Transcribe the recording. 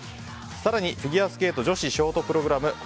更にフィギュアスケート女子ショートプログラム。